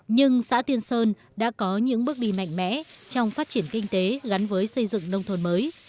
nhưng xã tiên sơn đã có những bước đi mạnh mẽ trong phát triển kinh tế gắn với xây dựng nông thôn mới